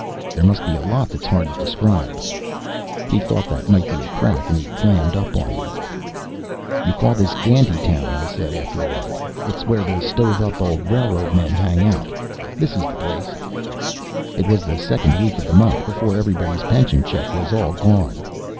"There must be a lot that's hard to describe." He thought that might be a crack and he clammed up on me. "You call this Gandytown," I said after a while. "It's where the stove up old railroad men hang out. This is the place." It was the second week of the month, before everybody's pension check was all gone.